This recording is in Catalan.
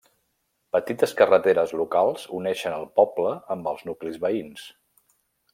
Petites carreteres locals uneixen el poble amb els nuclis veïns.